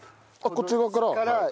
こっち側から。